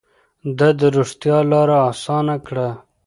ده د رښتيا لاره اسانه کړه.